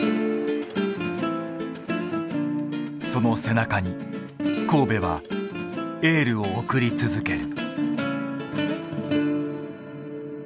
その背中に神戸はエールを送り続ける。